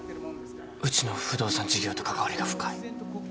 うちの不動産事業と関わりが深い。